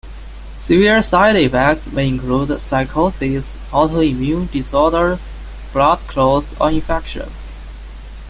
Severe side effects may include psychosis, autoimmune disorders, blood clots, or infections.